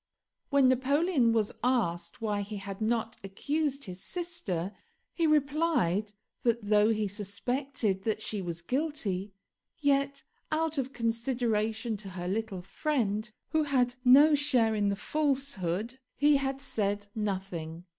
When Napoleon was asked why he had not accused his sister, he replied that though he suspected that she was guilty, yet out of consideration to her little friend, who had no share in the falsehood, he had said nothing.